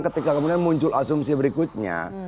ketika kemudian muncul asumsi berikutnya